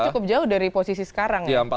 cukup jauh dari posisi sekarang ya